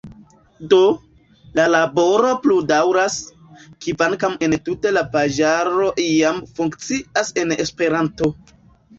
Do, la laboro plu daŭras, kvankam entute la paĝaro jam funkcias en Esperanto.